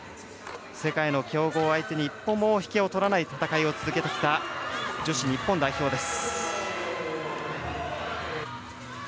世界の強豪相手に一歩も引けを取らない戦いを続けてきた女子日本代表です。